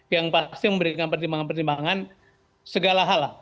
yang pasti memberikan pertimbangan pertimbangan segala hal lah